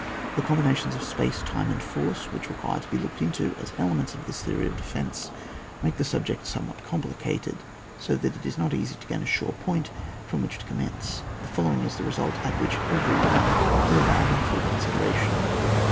The combinations of space, time, and force, which require to be looked into as elements of this theory of. defence, make the subject somewhat compli cated, so that it is not easy to gain a sure point from which to commence. The following is the result at which every one will arrive on full consideration.